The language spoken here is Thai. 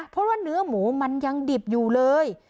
เพราะว่าเนื้อหมูมันยังดิบอยู่เลย